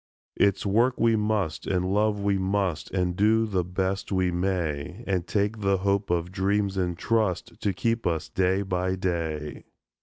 It's work we must, and love we must, And do the best we may, And take the hope of dreams in trust To keep us day by day.